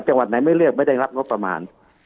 จังหวัดไหนไม่เลือกไม่ได้รับงบประมาณ